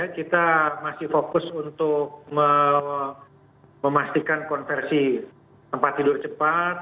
kita masih fokus untuk memastikan konversi tempat tidur cepat